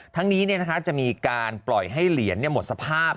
ทั้งนี้เนี่ยนะคะจะมีการปล่อยให้เหรียญเนี่ยหมดสภาพ